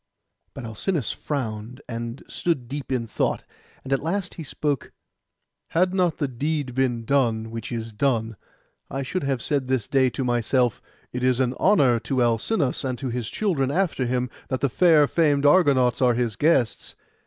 But Alcinous frowned, and stood deep in thought; and at last he spoke— 'Had not the deed been done which is done, I should have said this day to myself, "It is an honour to Alcinous, and to his children after him, that the far famed Argonauts are his guests."